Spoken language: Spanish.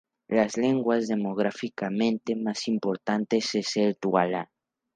Las lenguas demográficamente más importante es el duala.